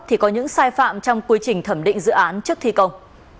thì có những sai phạm trong quy trình thẩm định dự án trước thi công